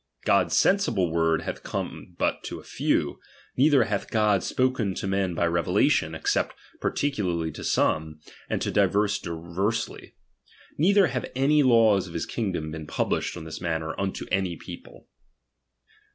God's sensible word hath come but to few ; neither hath God spoken to men by revelation, except particolarly to some, and to diverse diversely ; neither have any laws of his kingdom been published on this manner unto any people.